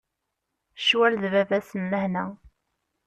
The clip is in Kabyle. Ccwal d baba-s n lehna.